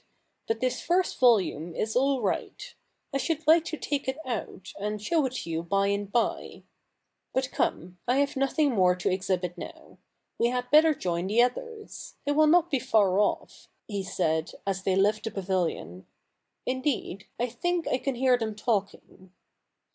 But this first volume is all right. I should like to take it out and show it to you by and by. But come — I have nothing more to exhibit now. We had better join the others. They will not be far off,' he said, as they left the pavilion; 'indeed, I think I can hear them talking.'